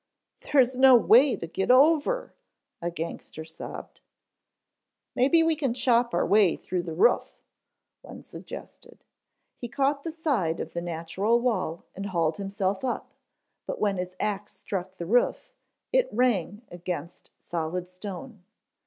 "There's no way to get over," a gangster sobbed. "Maybe we can chop our way through the roof," one suggested. He caught the side of the natural wall and hauled himself up, but when his ax struck the roof it rang against solid stone.